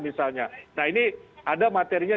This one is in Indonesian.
misalnya nah ini ada materinya